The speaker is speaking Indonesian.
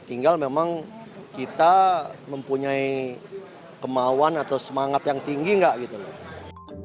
tinggal memang kita mempunyai kemauan atau semangat yang tinggi nggak gitu loh